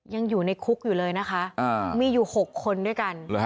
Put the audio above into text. ยังอยู่ในคุกอยู่เลยนะคะมีอยู่๖คนด้วยกัน